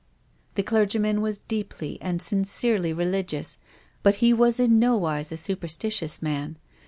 The clergyman was deeply and sincerely reh'g ious, but he was in nowise a superstitious man.